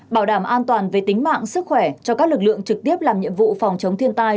bảo đảm an toàn về tính mạng sức khỏe cho các lực lượng trực tiếp làm nhiệm vụ phòng chống thiên tai